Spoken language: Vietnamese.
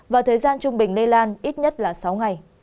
và thời gian trung bình lây lan ít nhất là sáu ngày